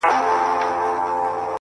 د سړک اوږدوالی د فکر تګ ورو کوي!